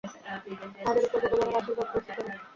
তাঁহাদের উপর ভগবানের আশীর্বাদ বর্ষিত হউক।